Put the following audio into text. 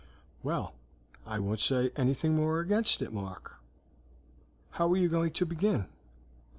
"Well, I won't say anything more against it, Mark. How are you going to begin?"